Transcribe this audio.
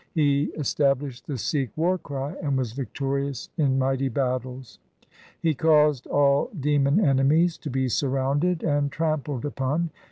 He established the Sikh war cry and was victorious in mighty battles. He caused all demon enemies to be surrounded and trampled upon.